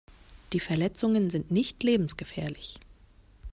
Die Verletzungen sind nicht lebensgefährlich.